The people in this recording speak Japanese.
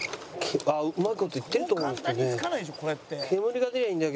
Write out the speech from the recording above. ああうまい事いってると思うんですけどね。